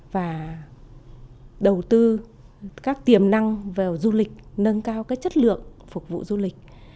và đầu tư các tiềm năng về du lịch nâng cao cái chất lượng phục vụ du lịch